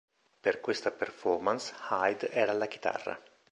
Per questa performance, Hyde era alla chitarra.